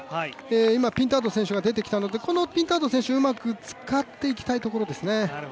今、ピンタード選手が出てきたのでこのピンタード選手をうまく使っていきたいところですね。